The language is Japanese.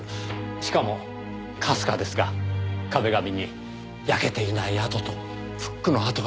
しかもかすかですが壁紙に焼けていない跡とフックの跡が残っています。